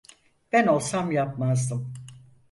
Ben olsam yapmazdım.